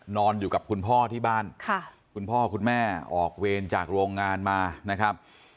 นอนอยู่กับคุณพ่อที่บ้านคุณพ่อคุณแม่ออกเวรจากโรงงานมานะครับ